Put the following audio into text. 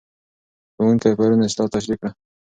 ښوونکی پرون اصلاح تشریح کړه.